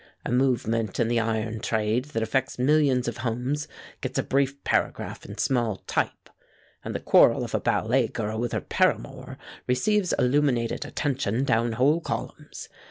A movement in the iron trade that affects millions of homes gets a brief paragraph in small type, and the quarrel of a ballet girl with her paramour receives illuminated attention down whole columns.